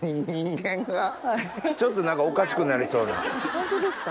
ホントですか？